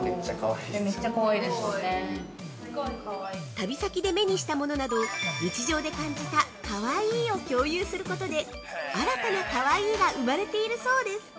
◆旅先で目にしたものなど日常で感じた「かわいい」を共有することで新たなかわいいが生まれているそうです！